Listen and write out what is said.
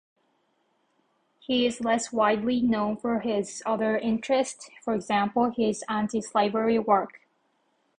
He is less widely known for his other interests, for example his anti-slavery work.